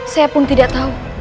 saya pun tidak tahu